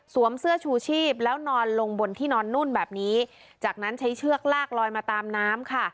เสื้อชูชีพแล้วนอนลงบนที่นอนนุ่นแบบนี้จากนั้นใช้เชือกลากลอยมาตามน้ำค่ะ